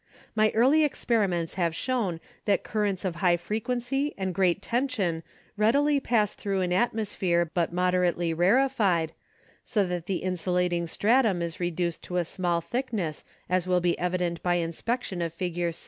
My early experiments have shown that currents of high frequency and great tension readily pass thru an atmos phere but moderately rarefied, so that the insulating stratum is reduced to a small thickness as will be evident by inspection of Fig.